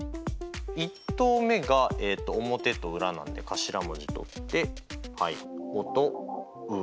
１投目が表と裏なんで頭文字とってはいオとウ。